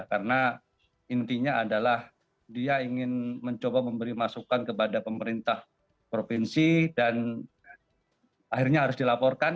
karena intinya adalah dia ingin mencoba memberi masukan kepada pemerintah provinsi dan akhirnya harus dilaporkan